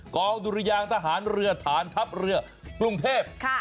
ดุรยางทหารเรือฐานทัพเรือกรุงเทพ